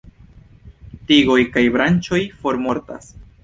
Tigoj kaj branĉoj formortas.